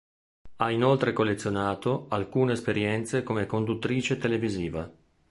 Ha inoltre collezionato alcune esperienze come conduttrice televisiva.